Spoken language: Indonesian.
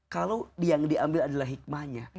kalau yang diambil adalah hikmahnya